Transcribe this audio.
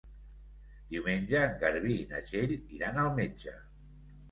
Diumenge en Garbí i na Txell iran al metge.